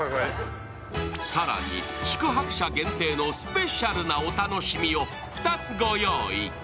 更に宿泊者限定のスペシャルなお楽しみを２つご用意。